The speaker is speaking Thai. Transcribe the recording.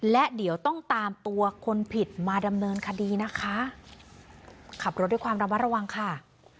และเดี๋ยวต้องตามตัวคนผิดมาดำเนินคดีนะคะขับรถด้วยความระมัดระวังค่ะ